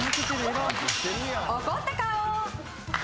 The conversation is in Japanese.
怒った顔。